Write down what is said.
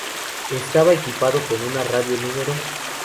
Estaba equipado con una radio No.